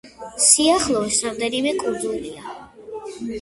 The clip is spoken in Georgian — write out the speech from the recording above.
სიახლოვეს რამდენიმე კუნძულია.